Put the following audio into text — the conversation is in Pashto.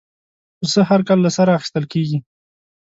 پسه هر کال له سره اخېستل کېږي.